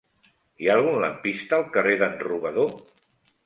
Hi ha algun lampista al carrer d'en Robador?